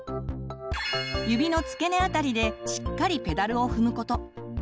指の付け根あたりでしっかりペダルを踏むこと。